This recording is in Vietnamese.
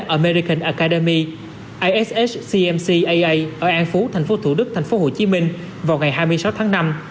american academy ishcmcaa ở an phú tp thủ đức tp hcm vào ngày hai mươi sáu tháng năm